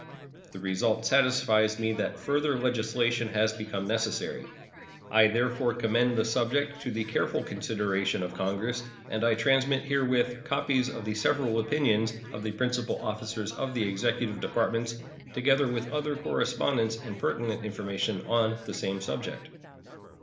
The result satisfies me that further legislation has become necessary. I therefore commend the subject to the careful consideration of Congress, and I transmit herewith copies of the several opinions of the principal officers of the Executive Departments, together with other correspondence and pertinent information on the same subject.